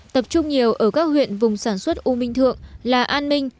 tập trung nhiều ở các huyện vùng sản xuất u minh thượng là an minh